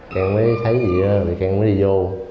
cường mới thấy gì vì cường mới đi vô